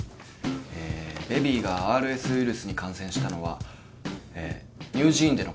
えベビーがＲＳウィルスに感染したのはえ乳児院でのことだと思われます。